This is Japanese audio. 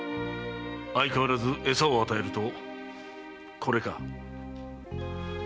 相変わらず餌を与えるとこれか？